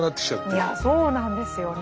いやそうなんですよね。